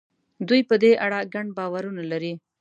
دوی په دې اړه ګڼ باورونه لري.